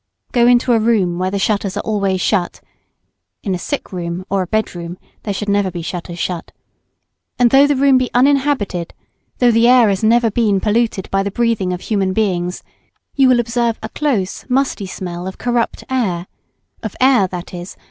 Go into a room where the shutters are always shut (in a sick room or a bedroom there should never be shutters shut), and though the room be uninhabited, though the air has never been polluted by the breathing of human beings, you will observe a close, musty smell of corrupt air, of air _i.e.